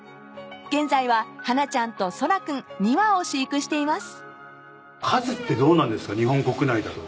［現在はハナちゃんとソラ君２羽を飼育しています］